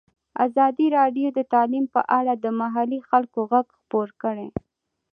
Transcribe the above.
ازادي راډیو د تعلیم په اړه د محلي خلکو غږ خپور کړی.